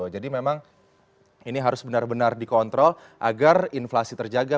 jadi memang ini harus benar benar dikontrol agar inflasi terjaga